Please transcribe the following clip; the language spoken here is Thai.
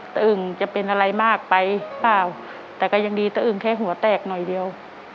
อึ่งจะเป็นอะไรมากไปเปล่าแต่ก็ยังดีตะอึงแค่หัวแตกหน่อยเดียว